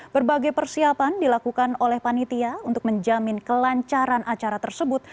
berbagai persiapan dilakukan oleh panitia untuk menjamin kelancaran acara tersebut